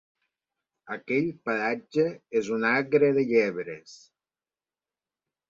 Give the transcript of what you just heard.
Aquell paratge és un agre de llebres.